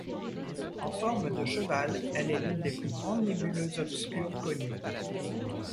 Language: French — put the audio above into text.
En forme de cheval, elle est l'une des plus grandes nébuleuses obscures connues.